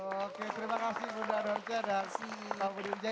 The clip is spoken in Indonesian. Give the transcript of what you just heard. oke terima kasih bunda dorca dan pak budi wijaya